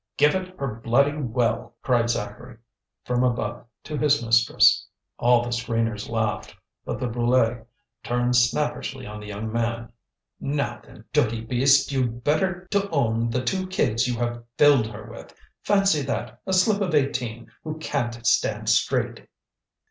"Give it her bloody well!" cried Zacharie, from above, to his mistress. All the screeners laughed. But the Brulé turned snappishly on the young man. "Now, then, dirty beast! You'd better to own the two kids you have filled her with. Fancy that, a slip of eighteen, who can't stand straight!"